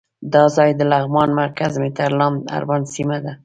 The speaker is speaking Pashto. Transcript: دا ځای د لغمان مرکز مهترلام اړوند سیمه ده.